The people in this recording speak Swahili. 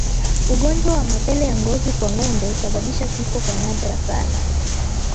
Ugonjwa wa mapele ya ngozi kwa ngombe husababisha kifo kwa nadra sana